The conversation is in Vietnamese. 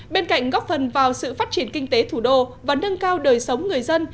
bên cạnh góp phần vào sự phát triển kinh tế thủ đô và nâng cao đời sống người dân